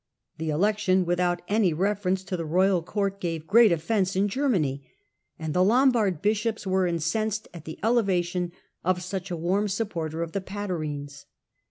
The election without any reference to the royal court gave great offence in Germany, and the Lombard bishops were incensed at the elevation of such a warm supporter of the Fatarines.